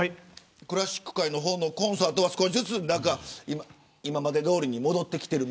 クラシック界のコンサートは少しずつ今までどおりに戻ってきている。